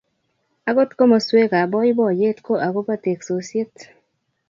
Akot komoswek ab boiboyet ko akoba teksosiet